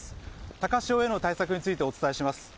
高潮への対策についてお伝えします。